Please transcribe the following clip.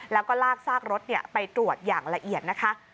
แล้วก็ลากซากรถไปตรวจอย่างละเอียดนะคะ